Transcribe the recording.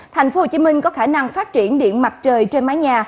tp hcm có khả năng phát triển điện mặt trời trên mái nhà